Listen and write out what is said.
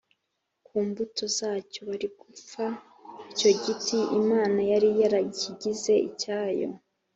ku mbuto zacyo, bari gupfa. icyo giti imana yari yarakigize icyayo